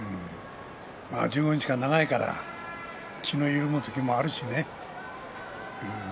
１５日間、長いから気の緩む時もあるしね。